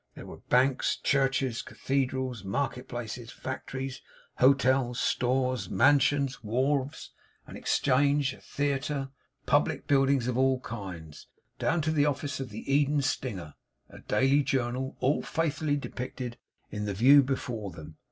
There were banks, churches, cathedrals, market places, factories, hotels, stores, mansions, wharves; an exchange, a theatre; public buildings of all kinds, down to the office of the Eden Stinger, a daily journal; all faithfully depicted in the view before them.